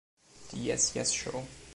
Die Yes, Yes Show!